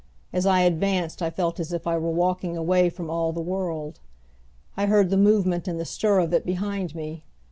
As I advanced I felt as if I were walking away from all the world. I heard the movement and the stir of it behind me.